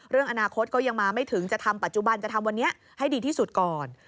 เรื่องอนาคตก็ยังมาไม่ถึงจะทำปัจจุบันจะทำวันนี้ให้ดีที่สุดก่อน